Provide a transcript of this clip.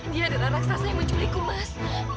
dia adalah raksasa yang menculikku mas